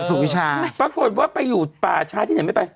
ปรากฏว่าไปอยู่ป่าช้าที่ไหนไม่ไป